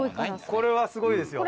これはすごいですよ。